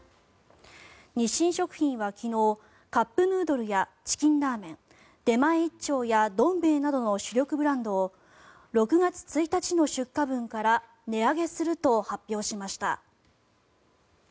日清食品は昨日カップヌードルやチキンラーメン出前一丁や、どん兵衛などの主力ブランドを６月１日の出荷分から値上げすると発表しました。